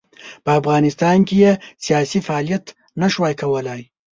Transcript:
په افغانستان کې یې سیاسي فعالیت نه شوای کولای.